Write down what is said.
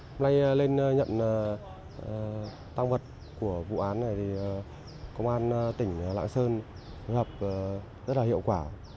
hôm nay lên nhận tăng vật của vụ án này thì công an tỉnh lạng sơn phối hợp rất là hiệu quả